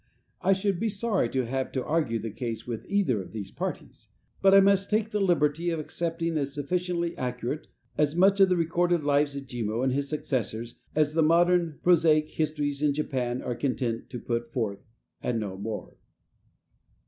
I should be sorry to have to argue the case with either of these parties, but I must take the liberty of accepting as sufficiently accurate as much of the recorded lives of Jimmu and his successors as the modern prosaic histories in Japan are content to put forth, and no more.